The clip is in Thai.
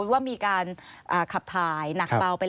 สวัสดีค่ะที่จอมฝันครับ